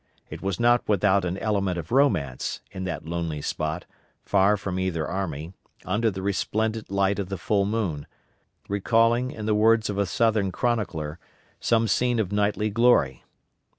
It was not without an element of romance, in that lonely spot, far from either army, under the resplendent light of the full moon; recalling, in the words of a Southern chronicler, some scene of knightly glory.